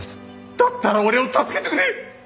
だったら俺を助けてくれ！